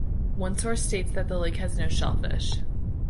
One source states that the lake has no shellfish.